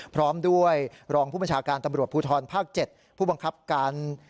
พร้อมด้วยรองผู้บัญชาการตำรวจภูทรภาค๗ผู้บังคับการ